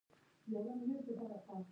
دریم پوهنتون شموله مضامین لکه ثقافت دي.